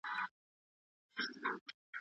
که ښځې زدهکړه وکړي، کورنۍ او ټولنه پیاوړې کېږي.